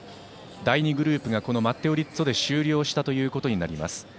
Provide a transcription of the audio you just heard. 第２グループがこのマッテオ・リッツォで終了したことになります。